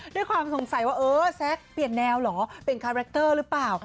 ด้วยความสงสัยว่าเออแซคเปลี่ยนแนวเหรอเปลี่ยนคาแรคเตอร์หรือเปล่า